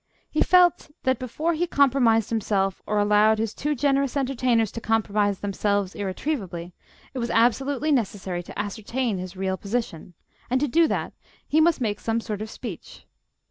He felt that, before he compromised himself, or allowed his too generous entertainers to compromise themselves irretrievably, it was absolutely necessary to ascertain his real position, and, to do that, he must make some sort of speech.